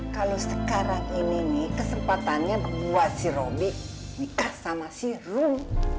kalau sekarang ini nih kesempatannya buat si robi nikah sama si room